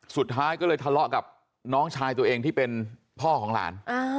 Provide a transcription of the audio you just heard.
สุดท้ายก็เลยทะเลาะกับน้องชายตัวเองที่เป็นพ่อของหลาน